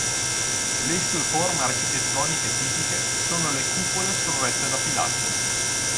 Le sue forme architettoniche tipiche sono le cupole sorrette da pilastri.